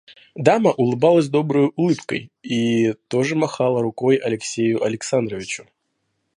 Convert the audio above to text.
Дама улыбалась доброю улыбкой и тоже махала рукой Алексею Александровичу.